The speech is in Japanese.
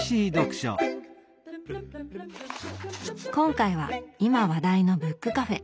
今回は今話題のブックカフェ。